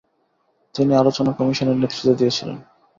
তিনি আলোচনা কমিশনের নেতৃত্ব দিয়েছিলেন।